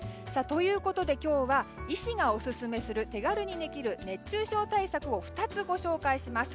今日は医師がオススメする手軽にできる熱中症対策を２つご紹介します。